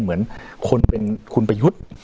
เหมือนคนเป็นคุณประยุทธ์